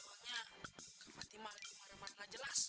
soalnya hati hati marah marah gak jelas